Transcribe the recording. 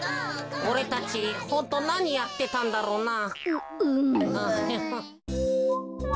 おれたちホントなにやってたんだろうな。